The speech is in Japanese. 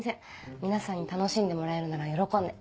皆さんに楽しんでもらえるなら喜んで。